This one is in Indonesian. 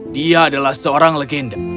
dia adalah seorang legenda